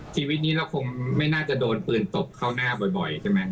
ชีวิตนี้เราคงไม่น่าจะโดนปืนตบเข้าหน้าบ่อยใช่ไหม